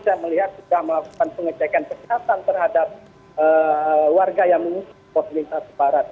dan melihat sudah melakukan pengecekan kesehatan terhadap warga yang mengungsi pos lintas barat